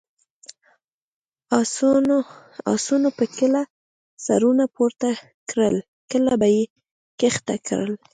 اسونو به کله سرونه پورته کړل، کله به یې کښته کړل.